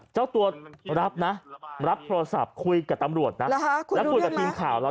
เจ้าตัวรับนะรับโทรศัพท์คุยกับตำรวจนะ